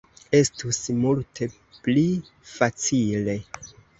Estus multe pli facile.